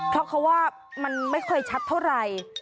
เพราะเขาว่ามันไม่เคยชัดเท่าไหร่